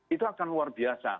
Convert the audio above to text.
itu akan luar biasa